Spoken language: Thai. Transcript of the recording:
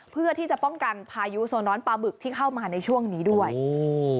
เพื่อที่จะป้องกันพายุโซนอนปลาบึกที่เข้ามาในช่วงนี้ด้วยอืม